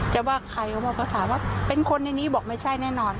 แต่ว่าใครเขาบอกก็ถามว่าเป็นคนในนี้บอกไม่ใช่แน่นอน